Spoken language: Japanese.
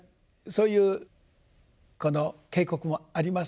そういうこの渓谷もあります。